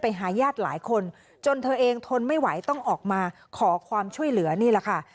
หาญาติหลายคนจนเธอเองทนไม่ไหวต้องออกมาขอความช่วยเหลือนี่แหละค่ะ